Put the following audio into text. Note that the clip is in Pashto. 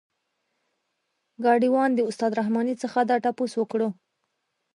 ګاډی وان د استاد رحماني څخه دا تپوس وکړلو.